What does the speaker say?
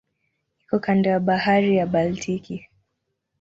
Iko kando ya Bahari ya Baltiki.